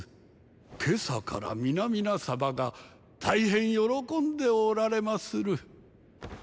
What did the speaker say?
今朝から皆々様が大変慶んでおられまする。